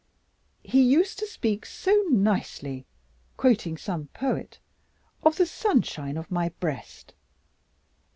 He used to speak so nicely (quoting some poet) of the sunshine of my breast.